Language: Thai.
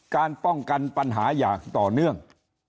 การป้องกันปัญหาอย่างต่อเนื่อง